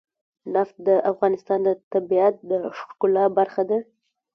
نفت د افغانستان د طبیعت د ښکلا برخه ده.